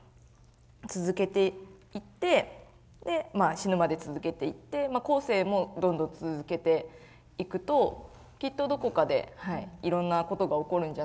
続けていってまあ死ぬまで続けていって後世もどんどん続けていくときっとどこかでいろんなことが起こるんじゃないかなって思ってます。